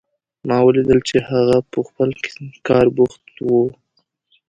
ما ولیدل چې هغه په خپل کار بوخت و